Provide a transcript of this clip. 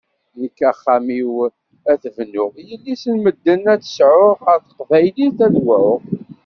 Nekk axxam-iw ad t-bnuɣ, yelli-s n medden ad tt-sɛuɣ, ɣer teqbaylit ad wɛuɣ.